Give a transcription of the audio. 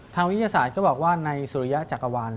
วิทยาศาสตร์ก็บอกว่าในสุริยะจักรวาล